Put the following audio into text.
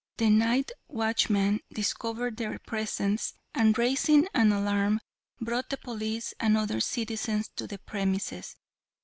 The night watchman discovered their presence, and raising an alarm brought the police and other citizens to the premises.